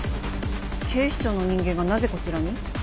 警視庁の人間がなぜこちらに？